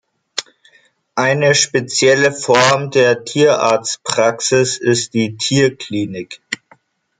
Eine spezielle Form der Tierarztpraxis ist die "Tierklinik".